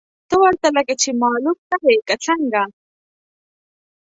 ته ورته لکه چې معلوم نه وې، که څنګه!؟